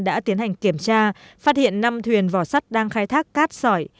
đã tiến hành kiểm tra phát hiện năm thuyền vỏ sắt đang khai thác cát sỏi